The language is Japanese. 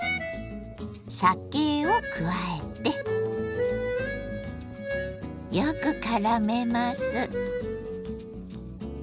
酒を加えてよくからめます。